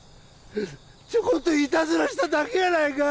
ちょこっとイタズラしただけやないか